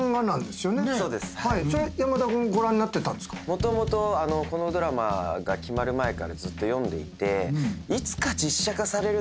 もともとこのドラマが決まる前からずっと読んでいて。